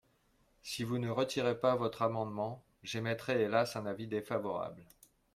Si vous ne retirez pas votre amendement, j’émettrai hélas un avis défavorable.